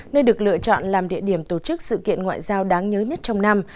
nơi được lựa chọn làm địa điểm tổ chức sự kiện ngoại giao đáng nhớ nhất trong năm